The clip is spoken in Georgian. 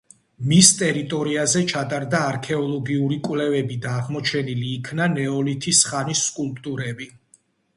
მის ტერიტორიაზე ჩატარდა არქეოლოგიური კვლევები და აღმოჩენილი იქნა ნეოლითის ხანის სკულპტურები.